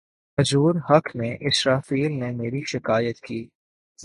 حضور حق میں اسرافیل نے میری شکایت کی